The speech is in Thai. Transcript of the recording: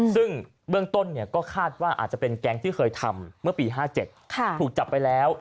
ซึ่งเบื้องต้นก็คาดว่าอาจจะเป็นแก๊งที่เคยทำเมื่อปี๕๗ถูกจับไปแล้ว